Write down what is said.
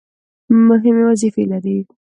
مهمې وظیفې لري.